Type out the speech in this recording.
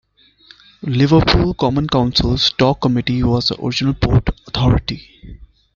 Liverpool Common Council's Dock Committee was the original port authority.